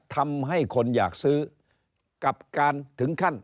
ทำให้คนอยากซื้อกับการถึงขั้น